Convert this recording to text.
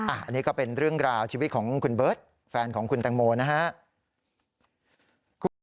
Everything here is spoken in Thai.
อันนี้ก็เป็นเรื่องราวชีวิตของคุณเบิร์ตแฟนของคุณแตงโมนะครับ